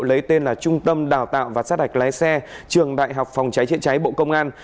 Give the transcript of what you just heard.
lấy tên là trung tâm đào tạo và sát hạch lái xe trường đại học phòng cháy chữa cháy bộ công an